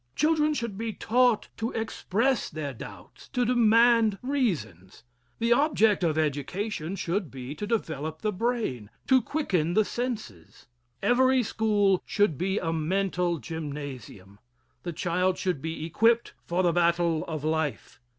Children should be taught to express their doubts to demand reasons. The object of education should be to develop the brain, to quicken the senses. Every school should be a mental gymnasium. The child should be equipped for the battle of life.